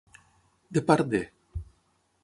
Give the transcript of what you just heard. De part de.